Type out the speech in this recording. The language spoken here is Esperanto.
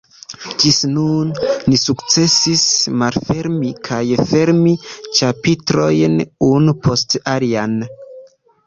Ĝis nun ni sukcesis malfermi kaj fermi ĉapitrojn unu post alian.